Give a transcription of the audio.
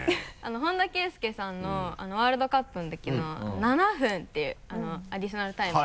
本田圭佑さんのワールドカップのときの７分っていうアディショナルタイムの。